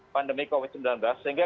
pandemi covid sembilan belas sehingga